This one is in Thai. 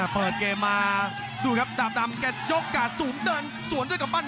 เปิดเกมมาดูครับดาบดำแกยกกาดสูงเดินสวนด้วยกำปั้น